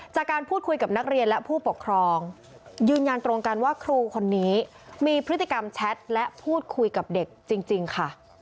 จากการพูดคุยกับนักเรียนและผู้ปกครองยืนยันตรงกันว่าครูคนนี้มีพฤติกรรมแชทและพูดคุยกับเด็กจริงค่ะ